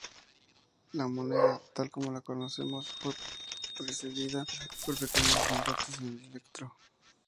La moneda, tal como la conocemos, fue precedida por pequeños lingotes de electro.